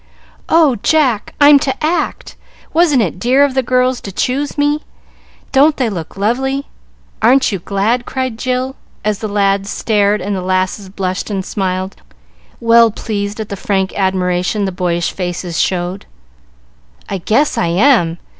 "Oh, Jack, I'm to act! Wasn't it dear of the girls to choose me? Don't they look lovely? Aren't you glad?" cried Jill, as the lads stared and the lasses blushed and smiled, well pleased at the frank admiration the boyish faces showed. "I guess I am!